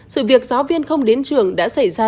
sự việc giáo viên không đến trường đã xảy ra